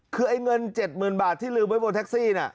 คือไอ้เงินเจ็ดหมื่นบาทที่ลืมไว้บนแท็กซี่น่ะ